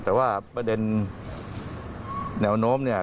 แต่ว่าประเด็นแนวโน้มเนี่ย